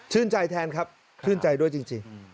ใจแทนครับชื่นใจด้วยจริง